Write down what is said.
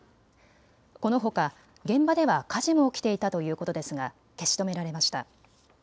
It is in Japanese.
このほか現場では火事も起きていたということですが消し止められました。